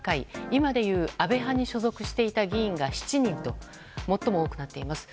今でいう、安倍派に所属していた議員が７人と最も多くなっています。